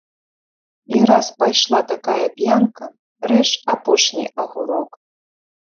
І раз пайшла такая п'янка, рэж апошні агурок.